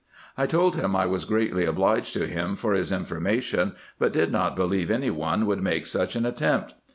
Ill told him I was greatly obliged to him for his information, but did not believe any one would make such an attempt.